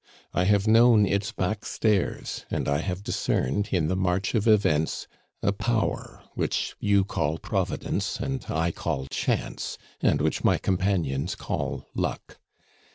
I have known its back stairs, and I have discerned, in the march of events, a Power which you call Providence and I call Chance, and which my companions call Luck.